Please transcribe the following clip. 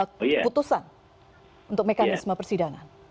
keputusan untuk mekanisme persidangan